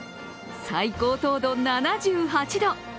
最高糖度７８度。